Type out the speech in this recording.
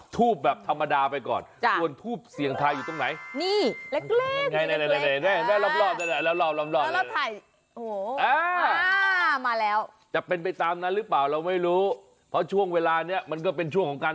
ทูบแบบธรรมดาไปก่อนส่วนทูบเสี่ยงทายอยู่ตรงไหน